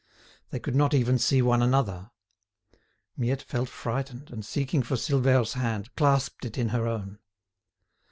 They could not even see one another. Miette felt frightened, and, seeking for Silvère's hand, clasped it in her own.